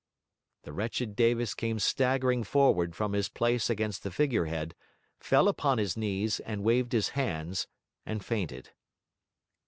The wretched Davis came staggering forward from his place against the figure head, fell upon his knees, and waved his hands, and fainted.